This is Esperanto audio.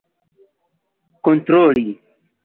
kontroli